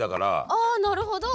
あなるほど。